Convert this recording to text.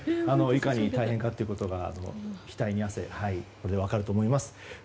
いかに大変かということが額の汗で分かると思います。